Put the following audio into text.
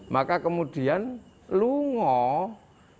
maka kemudian lungo itu ain